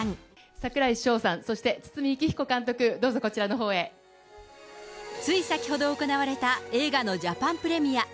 櫻井翔さん、そして堤幸彦監督、つい先ほど行われた映画のジャパンプレミア。